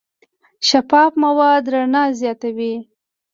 شفاف مواد رڼا تېرېږي.